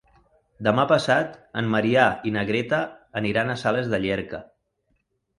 Demà passat en Maria i na Greta aniran a Sales de Llierca.